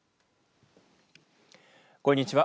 こんにちは。